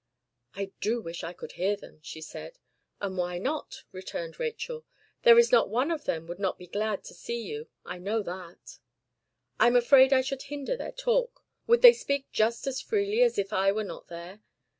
"I do wish I could hear them," she said. "And why not?" returned Rachel. "There is not one of them would not be glad to see you. I know that." "I am afraid I should hinder their talk. Would they speak just as freely as if I were not there?